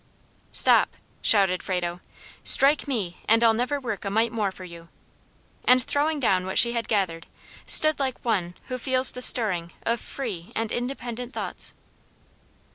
"Stop!" shouted Frado, "strike me, and I'll never work a mite more for you;" and throwing down what she had gathered, stood like one who feels the stirring of free and independent thoughts.